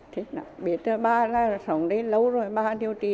thế là biết là ba đã sống đấy lâu rồi ba điều tìm